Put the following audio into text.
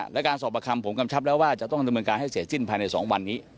และการสอบประคำผมกำชับแล้วว่าจะต้องดำเนินการให้เสร็จสิ้นภายใน๒วันนี้